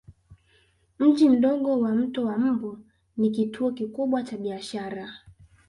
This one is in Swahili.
Mji mdogo wa Mto wa Mbu ni kituo kikubwa cha biashara